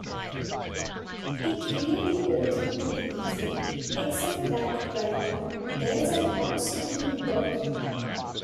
It really ought to be easy, except that right now there's an outstanding bug.